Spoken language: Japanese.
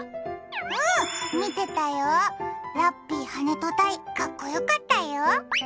うん、見てたよラッピー跳人隊、かっこよかったよ